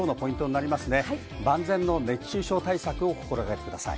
万全の熱中症対策を心がけてください。